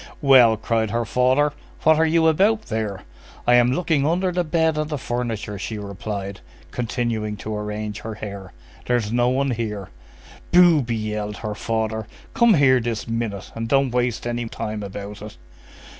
"Well!" cried her father, "what are you about there?" "I am looking under the bed and the furniture," she replied, continuing to arrange her hair; "there's no one here." "Booby!" yelled her father. "Come here this minute! And don't waste any time about it!"